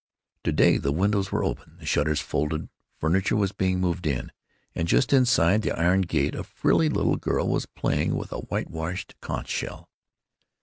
To day the windows were open, the shutters folded; furniture was being moved in; and just inside the iron gate a frilly little girl was playing with a whitewashed conch shell.